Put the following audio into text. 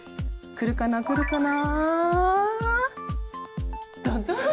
くるかなくるかな？